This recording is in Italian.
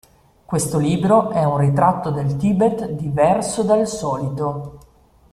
Questo libro è uno ritratto del Tibet diverso dal solito.